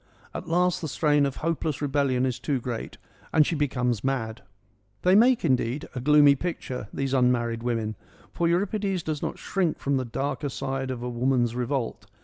At last the strain of hopeless rebellion is too great, and she becomes mad. They make, indeed, a gloomy picture, these un married women, for Euripides does not shrink from the darker side of a woman's revolt.